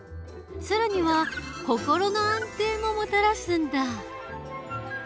更には心の安定ももたらすんだ。